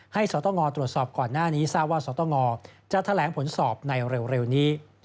สตงตรวจสอบก่อนหน้านี้ทราบว่าสตงจะแถลงผลสอบในเร็วนี้